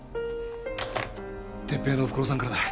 哲平のおふくろさんからだ。